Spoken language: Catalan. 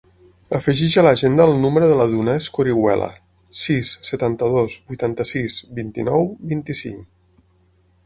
Afegeix a l'agenda el número de la Duna Escorihuela: sis, setanta-dos, vuitanta-sis, vint-i-nou, vint-i-cinc.